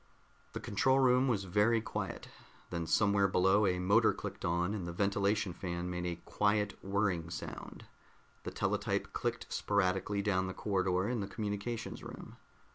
The control room was very quiet. Then somewhere below a motor clicked on, and the ventilation fan made a quiet whirring sound. The teletype clicked sporadically down the corridor in the communications room.